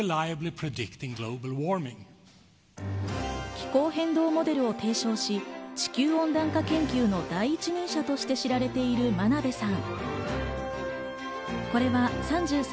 気候変動モデルを提唱し、地球温暖化研究の第一人者として知られている真鍋さん。